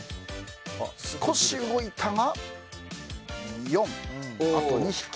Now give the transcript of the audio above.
少し動いたが。